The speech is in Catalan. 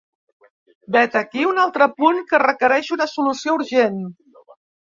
Vet aquí un altre punt que requereix una solució urgent.